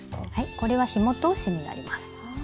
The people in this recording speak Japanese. これはひも通しになります。